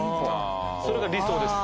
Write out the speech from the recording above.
それが理想です。